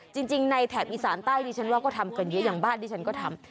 จริงในแถบอีสานใต้ดิฉันว่าก็ทำกันเยอะอย่างบ้านที่ฉันก็ทำ